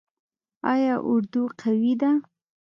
آیا اردو قوي ده؟